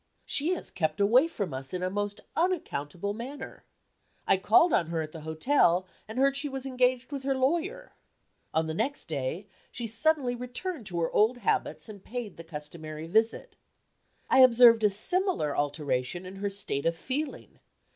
She has kept away from us in a most unaccountable manner. I called on her at the hotel, and heard she was engaged with her lawyer. On the next day, she suddenly returned to her old habits, and paid the customary visit. I observed a similar alteration in her state of feeling.